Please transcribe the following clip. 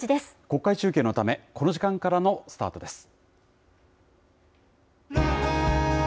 国会中継のため、この時間からのスタートです。